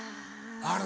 ある？